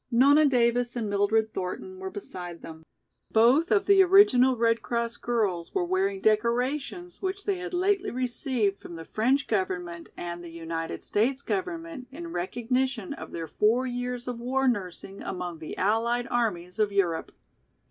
Nona Davis and Mildred Thornton were beside them. Both of the original Red Cross girls were wearing decorations which they had lately received from the French government and the United States government in recognition of their four years of war nursing among the allied armies of Europe.